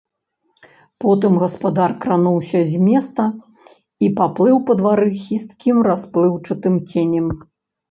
Потым гаспадар крануўся з месца і паплыў па двары хісткім расплыўчатым ценем.